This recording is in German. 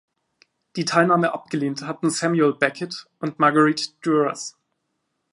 Die Teilnahme abgelehnt hatten Samuel Beckett und Marguerite Duras.